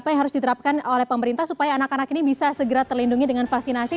apa yang harus diterapkan oleh pemerintah supaya anak anak ini bisa segera terlindungi dengan vaksinasi